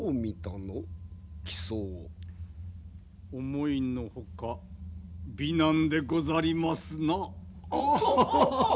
思いの外美男でござりますな。